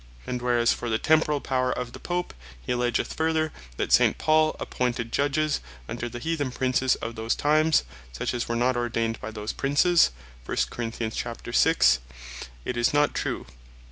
And whereas for the Temporall Power of the Pope, he alledgeth further, that St. Paul (1 Cor. 6.) appointed Judges under the Heathen Princes of those times, such as were not ordained by those Princes; it is not true.